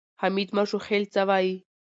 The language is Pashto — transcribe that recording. حمید ماشوخېل څه وایي؟